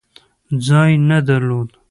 ځای نه درلود.